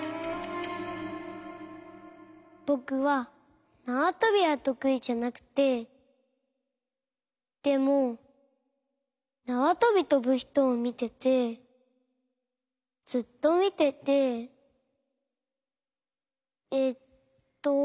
ぼくはなわとびはとくいじゃなくてでもなわとびとぶひとをみててずっとみててえっと。